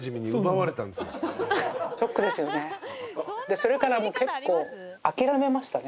それからはもう結構諦めましたね